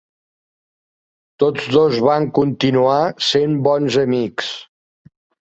Tots dos van continuar sent bons amics.